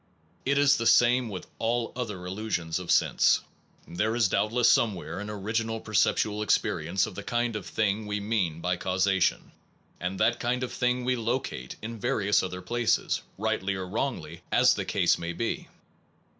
It is the same with all other illusions of sense. There is doubtless somewhere an original perceptual experience of the kind of thing we mean by causation, and that kind of thing we locate in various other places, rightly or wrongly as the case may be.